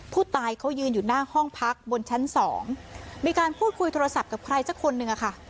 ผู้ตายเขายืนอยู่หน้าห้องพักบนชั้นสองมีการพูดคุยโทรศัพท์กับใครสักคนหนึ่งอะค่ะ